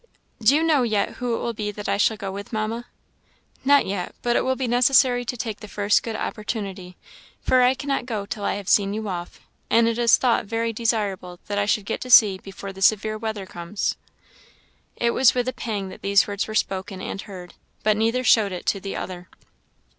"Do you know yet who it will be that I shall go with, Mamma?" "Not yet; but it will be necessary to take the first good opportunity, for I cannot go till I have seen you off. and it is thought very desirable that I should get to sea before the severe weather comes." It was with a pang that these words were spoken and heard, but neither showed it to the other.